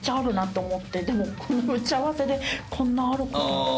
でも打ち合わせでこんなあるかな。